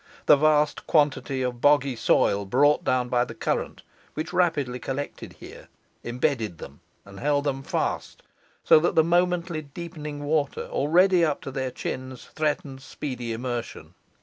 The vast quantity of boggy soil brought down by the current, and which rapidly collected here, embedded them and held them fast, so that the momently deepening water, already up to their chins, threatened speedy immersion.